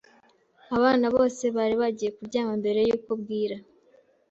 Abana bose bari bagiye kuryama mbere yuko bwira.